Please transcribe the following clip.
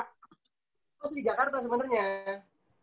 ko sih di jakarta sebenernya